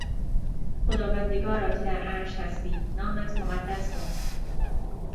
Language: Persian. خداوندگارا که در عرش هستی، نامت مقدس باد!